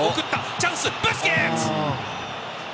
チャンス、ブスケツ。